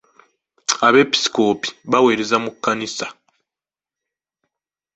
Abeepiskoopi baweereza mu kkanisa.